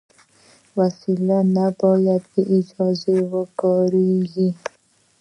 وسله نه باید بېاجازه وکارېږي